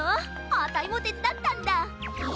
あたいもてつだったんだ！え！？